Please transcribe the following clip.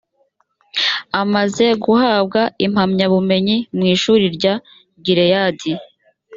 amaze guhabwa impamyabumenyi mu ishuri rya gileyadi